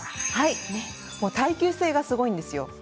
もう耐久性がすごいんですよ。